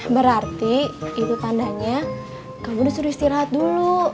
berarti itu tandanya kamu disuruh istirahat dulu